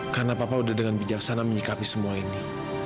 karena papa sudah dengan bijaksana menyikapi semua ini